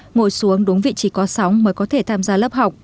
ngồi xuống đúng vị trí có sóng mới có thể tham gia lớp học